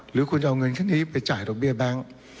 หรือคุณจะเอาเงินแค่นี้ไปจ่ายดอกเบี้ยแบงค์